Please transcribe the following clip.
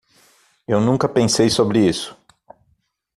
Eu nunca pensei sobre isso.